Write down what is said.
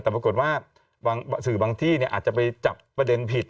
แต่ปรากฏว่าสื่อบางที่อาจจะไปจับประเด็นผิด